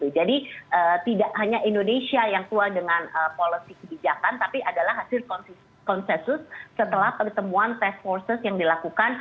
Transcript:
jadi tidak hanya indonesia yang keluar dengan policy kebijakan tapi adalah hasil konsensus setelah pertemuan task forces yang dilakukan